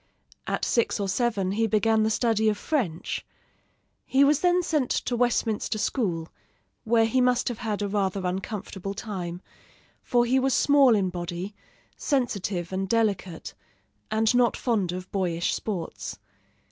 At six or seven he began the study of French. He was then sent to Westminster school, where he must have had a rather uncomfortable time; for he was small in body, sensitive and delicate, and not fond of boyish sports.